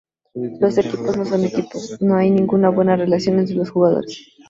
Los equipos no son equipos, no hay una buena relación entre los jugadores.